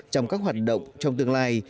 trong các hoạt động trong tương lai